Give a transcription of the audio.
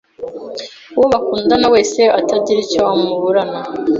uwo bakundana wese atagira icyo amuburana